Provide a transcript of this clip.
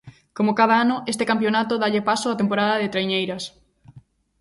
Coma cada ano, este campionato dálle paso á temporada de traiñeiras.